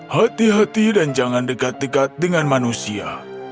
hati hati dan jangan dekat dekat dengan manusia